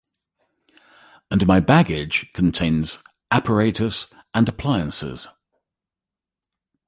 And my baggage contains apparatus and appliances.